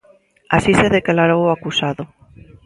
Así se declarou o acusado.